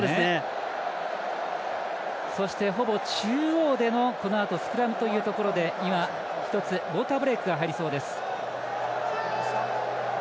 そして、ほぼ中央でのこのあとスクラムというところで今、一つウオーターブレイクが入りそうです。